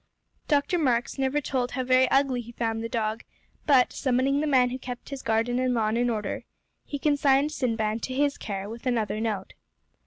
Dr. Marks never told how very ugly he found the dog, but, summoning the man who kept his garden and lawn in order, he consigned Sinbad to his care, with another note.